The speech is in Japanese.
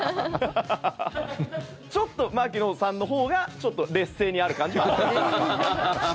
ちょっと槙野さんのほうがちょっと劣勢にある感じはあります。